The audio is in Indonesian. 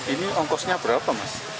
ini ongkosnya berapa mas